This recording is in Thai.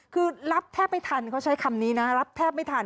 คือรับแทบไม่ทันเขาใช้คำนี้นะรับแทบไม่ทัน